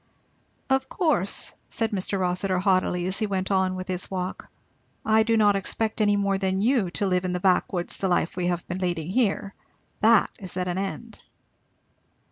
"Of course," said Mr. Rossitur haughtily as he went on with his walk, "I do not expect any more than you to live in the back woods the life we have been leading here. That is at an end."